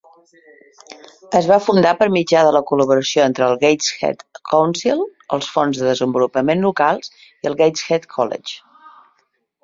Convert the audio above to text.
Es va fundar per mitjà de la col·laboració entre el Gateshead Council, els fons de desenvolupament locals i el Gateshead College.